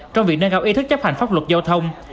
trong việc nâng cao ý thức chấp hành pháp luật giao thông